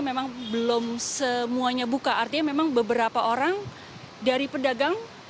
memang belum semuanya buka artinya memang beberapa orang dari pedagang